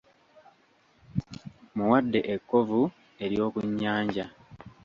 Muwadde ekkovu ery’oku nnyanja